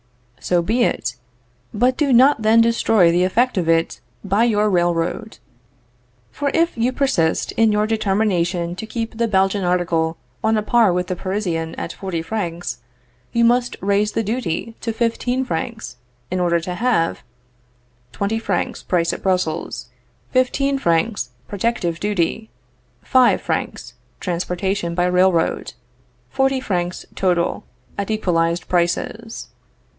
So be it; but do not then destroy the effect of it by your railroad. For if you persist in your determination to keep the Belgian article on a par with the Parisian at forty francs, you must raise the duty to fifteen francs, in order to have: 20 francs price at Brussels. 15 " protective duty. 5 " transportation by railroad. 40 francs total, at equalized prices.